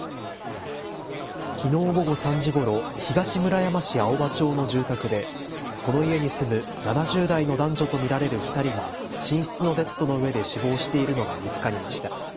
きのう午後３時ごろ東村山市青葉町の住宅でこの家に住む７０代の男女と見られる２人が寝室のベッドの上で死亡しているのが見つかりました。